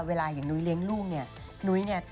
เวลาอย่างนุ้ยเลี้ยงลูกเนี่ยนุ้ยเนี่ย